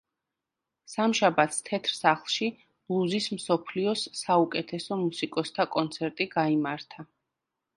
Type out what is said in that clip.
სამშაბათს თეთრ სახლში ბლუზის მსოფლიოს საუკეთესო მუსიკოსთა კონცერტი გაიმართა.